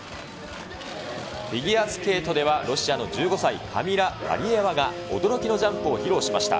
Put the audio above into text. フィギュアスケートではロシアの１５歳、カミラ・ワリエワが驚きのジャンプを披露しました。